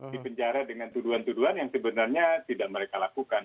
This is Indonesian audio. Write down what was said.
dipenjara dengan tuduhan tuduhan yang sebenarnya tidak mereka lakukan